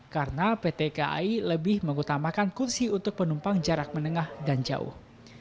karena pt kai lebih mengutamakan kursi untuk penumpang jarak menengah dan jauh